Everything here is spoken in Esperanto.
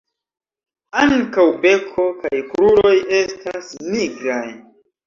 Ankaŭ beko kaj kruroj estas nigraj.